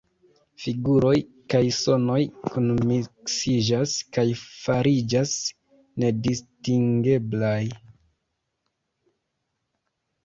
Figuroj kaj sonoj kunmiksiĝas kaj fariĝas nedistingeblaj.